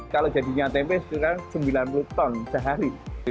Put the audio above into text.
kalau jadinya tempe sekitar sembilan puluh ton sehari